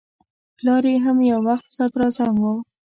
پلار یې هم یو وخت صدراعظم و.